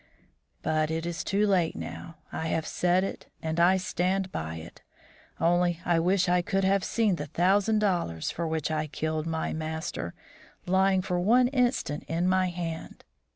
But it is too late now. I have said it, and I stand by it. Only I wish I could have seen the thousand dollars for which I killed my master lying for one instant in my hand.